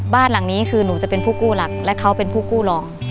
บ้านหลังนี้คือหนูจะเป็นผู้กู้หลักและเขาเป็นผู้กู้รอง